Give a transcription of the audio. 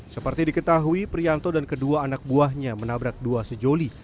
seperti diketahui prianto dan kedua anak buahnya menabrak dua sejoli